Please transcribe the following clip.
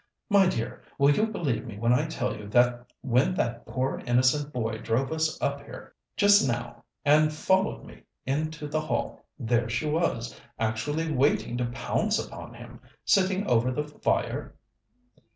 My dear, will you believe me when I tell you that when that poor innocent boy drove us up here just now and followed me into the hall, there she was, actually waiting to pounce upon him, sitting over the fire?"